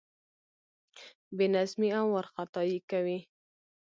بې نظمي او وارخطايي کوي.